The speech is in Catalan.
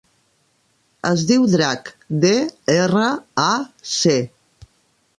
Es diu Drac: de, erra, a, ce.